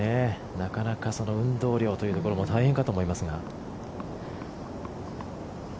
なかなか運動量というところも大変かと思いますが。